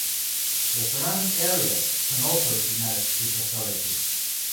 The surrounding areas soon also recognized his authority.